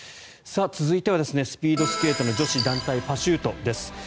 続いてはスピードスケートの女子団体パシュートです。